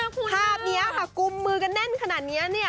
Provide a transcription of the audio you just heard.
ภาพนี้ค่ะกุมมือกันแน่นขนาดนี้เนี่ย